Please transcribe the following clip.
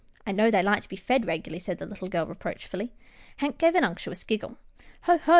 " I know they like to be fed regularly," said the little girl, reproachfully. Hank gave an unctuous giggle. " Ho ! ho